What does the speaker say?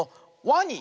ワニ！